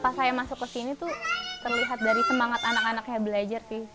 pas saya masuk ke sini tuh terlihat dari semangat anak anaknya belajar sih